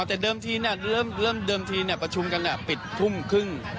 แต่เริ่มทีเนี่ยประชุมกันปิดทุ่มครึ่ง